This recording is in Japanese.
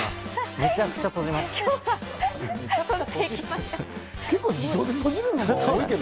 めちゃくちゃ閉じます。